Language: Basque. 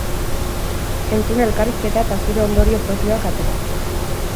Entzun elkarrizketa eta zure ondorio propioak atera!